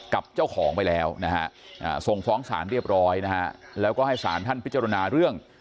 กับเจ้าของไปแล้วนะฮะส่งฟ้องสารเรียบร้อยนะฮะแล้วก็ให้สารท่านพิจารณาเรื่อง